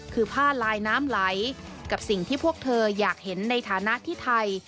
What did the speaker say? คือผ้าลายน้ำไหลกับสิ่งที่พวกเธออยากเห็นในฐานะที่ไทย